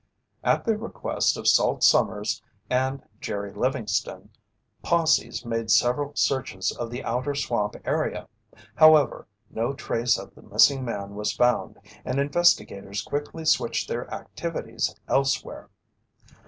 At the request of Salt Sommers and Jerry Livingston, posses made several searches of the outer swamp area. However, no trace of the missing man was found, and investigators quickly switched their activities elsewhere.